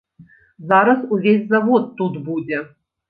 Зараз увесь завод тут будзе.